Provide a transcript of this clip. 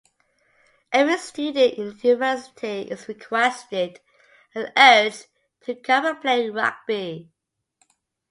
Every student in the university is requested and urged to come and play rugby.